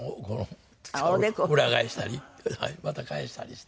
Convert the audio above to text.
裏返したりまた返したりして。